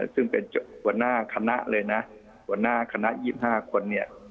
ซึ่งเป็นหัวหน้าคณะเลยนะหัวหน้าคณะ๒๕คนเนี่ย